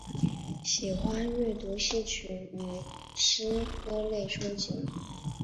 喜欢阅读戏曲与诗歌类书籍。